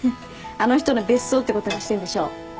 あの人の別荘ってことにしてんでしょ？